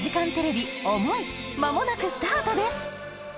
間もなくスタートです